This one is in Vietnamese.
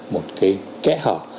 một cái kẽ hở